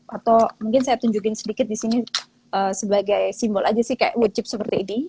atau mungkin saya tunjukin sedikit di sini sebagai simbol aja sih kayak wood chip seperti ini